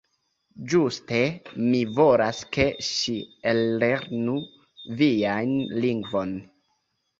Ĝuste, mi volas, ke ŝi ellernu vian lingvon.